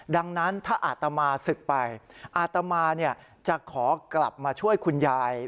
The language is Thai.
ดังนั้นถ้าอาตมาศึกไปอาตมาจะขอกลับมาช่วยคุณยาย